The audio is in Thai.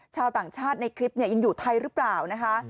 ชาวต่างชาติในคลิปยังอยู่ไทยหรือเปล่านะคะ